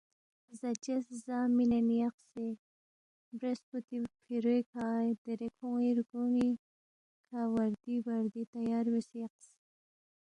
زاچس زا مِنین یقسے بریسپوتی فِروے کھہ دیرے کھون٘ی رگون٘ی کھہ وردی بردی تیار بیاسے یقس